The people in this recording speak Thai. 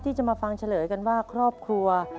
ที่จะมาฟังเฉลยกันว่าครอบครัว